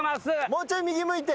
もうちょい右向いて。